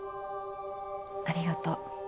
ありがとう。